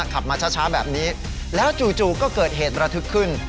ขับมาช้าแบบนี้แล้วจู่ก็เกิดเหตุระทึกขึ้น